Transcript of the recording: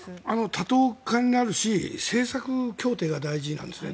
多党化になるし政策協定が大事なんですね。